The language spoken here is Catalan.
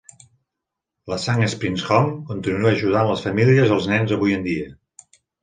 La Sand Springs Home continua ajudant les famílies i els nens avui en dia.